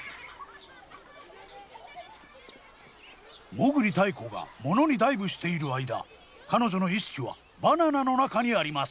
裳繰泰子がモノにダイブしている間彼女の意識はバナナの中にあります。